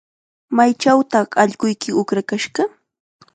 ¿Maychawtaq allquyki uqrakashqa?